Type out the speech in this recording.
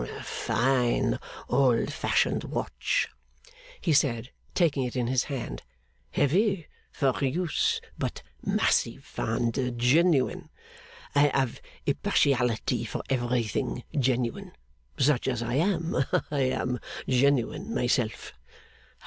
A fine old fashioned watch,' he said, taking it in his hand. 'Heavy for use, but massive and genuine. I have a partiality for everything genuine. Such as I am, I am genuine myself.